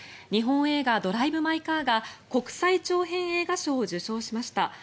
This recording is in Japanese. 日本映画「ドライブ・マイ・カー」が国際長編映画賞を受賞しました。